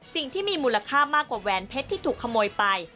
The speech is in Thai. สิ่งที่มีมูลค่ามากกว่าแหวนเพชรที่ถูกขโมยไป